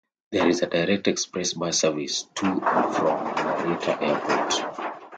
There is a direct express bus service to and from Narita Airport.